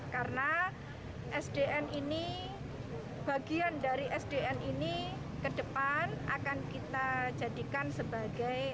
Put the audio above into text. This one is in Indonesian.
karena sdn ini bagian dari sdn ini ke depan akan kita jadikan sebagai